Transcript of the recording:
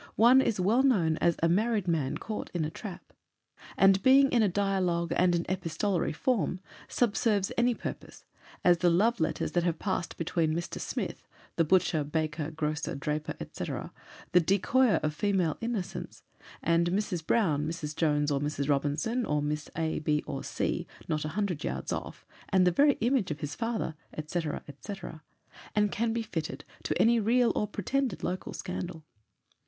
One is well known as a "Married Man caught in a Trap." And being in a dialogue and an epistolary form, subserves any purpose: as the 'Love Letters,' that have passed between Mr. Smith, the butcher, baker, grocer, draper, &c. 'the decoyer of female innocence' and Mrs. Brown, Mrs. Jones, or Mrs. Robinson, or Miss A , B , or C , not 100 yards off 'And the very image of his father,' &c., &c. and can be fitted to any real or pretended local scandal.